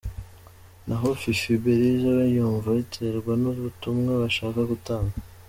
Naho Fifi Belise we yumva biterwa n’ubutumwa bashaka gutanga.